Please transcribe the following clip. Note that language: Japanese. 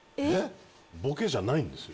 ボケじゃないんですよ。